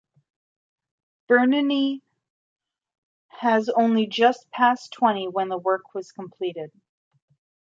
Bernini has only just passed twenty when the work was completed.